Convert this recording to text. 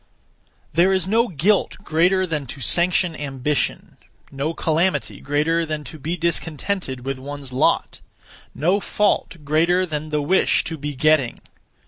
There is no guilt greater than to sanction ambition; no calamity greater than to be discontented with one's lot; no fault greater than the wish to be getting.